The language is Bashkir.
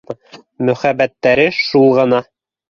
Мөхәббәттәре шул ғына